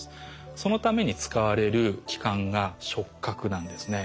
そのために使われる器官が触角なんですね。